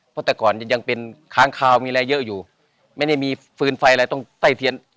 เพราะแต่ก่อนยังเป็นค้างคาวมีอะไรเยอะอยู่ไม่ได้มีฟืนไฟอะไรตรงใต้เทียน